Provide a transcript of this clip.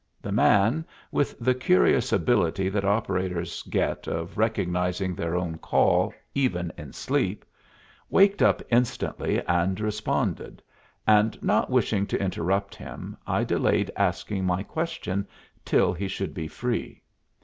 The man, with the curious ability that operators get of recognizing their own call, even in sleep, waked up instantly and responded, and, not wishing to interrupt him, I delayed asking my question till he should be free.